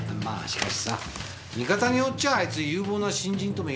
しかしさ見方によっちゃああいつ有望な新人とも。